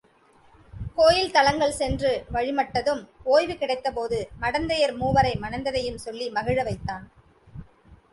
கோயில் தலங்கள் சென்று வழிமட்டதும், ஒய்வு கிடைக்த போது மடந்தையர் மூவரை மணந்ததையும் சொல்லி மகிழ வைத்தான்.